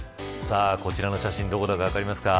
こちらの写真どこだか分かりますか。